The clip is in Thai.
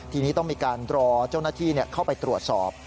ทีนี้ต้องมีการรอเจ้าหน้าที่เข้าไปตรวจสอบ